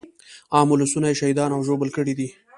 عام ولسونه يې شهیدان او ژوبل کړي دي.